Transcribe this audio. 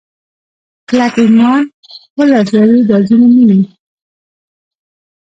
کلک ایمان ولړزوي دا ځینې مینې